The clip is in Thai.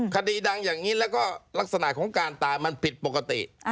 คดีดังอย่างนี้แล้วก็ลักษณะของการตายมันผิดปกติ